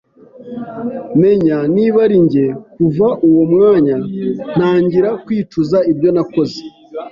menya niba ari njye; kuva uwo mwanya ntangira kwicuza ibyo nakoze.